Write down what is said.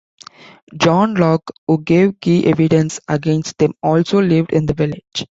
John Lock who gave key evidence against them also lived in the village.